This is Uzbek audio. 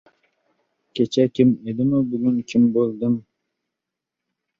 Kecha kim edim-u, bugun kim bo‘ldimj.